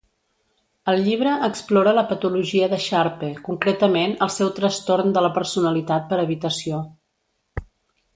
El llibre explora la patologia de Sharpe, concretament el seu trastorn de la personalitat per evitació.